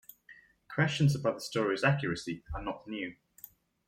Questions about the story's accuracy are not new.